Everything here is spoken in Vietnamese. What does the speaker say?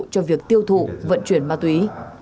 cho việc tiêu thụ vận chuyển ma túy